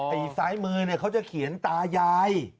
ซ้ายมือเนี่ยเขาจะเขียนตายาย